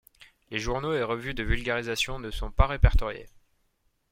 Les journaux et revues de vulgarisation ne sont pas répertoriés.